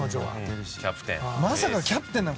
まさかキャプテンなんか。